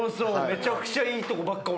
めちゃくちゃいいとこばっか